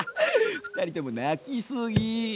２人とも泣きすぎ！